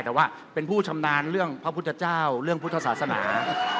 แต่ว่าเป็นผู้ชำนาญเรื่องพระพุทธเจ้าเรื่องพุทธศาสนา